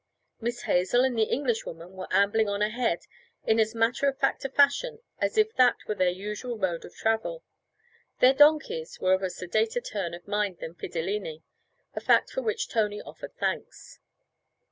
Miss Hazel and the Englishwoman were ambling on ahead in as matter of fact a fashion as if that were their usual mode of travel. Their donkeys were of a sedater turn of mind than Fidilini a fact for which Tony offered thanks.